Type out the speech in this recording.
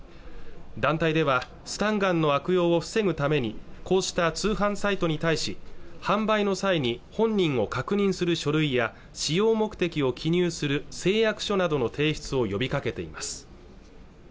団体ではスタンガンの悪用を防ぐためにこうした通販サイトに対し販売の際に本人を確認する書類や使用目的を記入する誓約書などの提出を呼びかけています